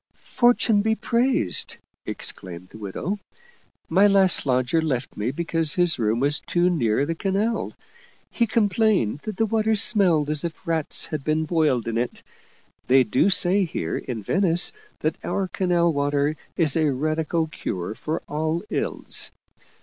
" Fortune be praised !" exclaimed the widow. " My last lodger left me because his room was too near the canal ; he complained that the water smelled as if rats had been boiled in it. They do say here in Venice that our canal water is a radical cure for all ills.